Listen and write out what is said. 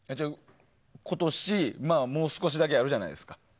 今年、もう少しだけあるじゃないですか。